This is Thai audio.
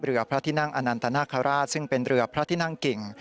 พระที่นั่งอนันตนาคาราชซึ่งเป็นเรือพระที่นั่งกิ่ง